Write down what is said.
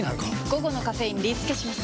午後のカフェインリスケします！